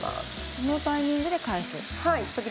このタイミングで返すんですね。